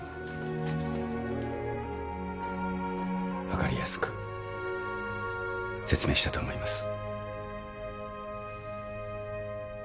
分かりやすく説明したと思います。